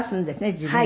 自分で。